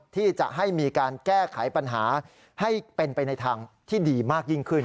ที่จะให้มีการแก้ไขปัญหาให้เป็นไปในทางที่ดีมากยิ่งขึ้น